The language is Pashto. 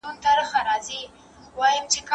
روږدي کسان چيري درملنه کیږي؟